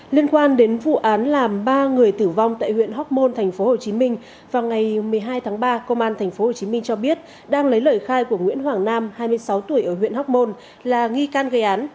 liên quan đến vụ án làm ba người tử vong tại huyện hóc môn tp hcm vào ngày một mươi hai tháng ba công an tp hcm cho biết đang lấy lời khai của nguyễn hoàng nam hai mươi sáu tuổi ở huyện hóc môn là nghi can gây án